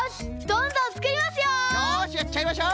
どんどんつくりますよ！